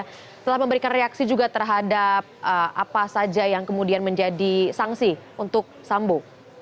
setelah memberikan reaksi juga terhadap apa saja yang kemudian menjadi sanksi untuk sambo